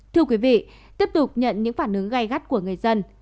thưa quý vị tiếp tục nhận những phản ứng gây gắt của người dân